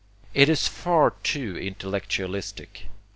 It is far too intellectualistic.